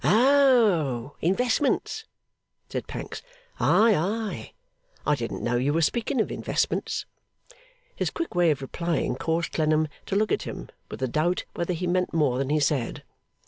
'Oh! Investments,' said Pancks. 'Ay, ay! I didn't know you were speaking of investments.' His quick way of replying caused Clennam to look at him, with a doubt whether he meant more than he said.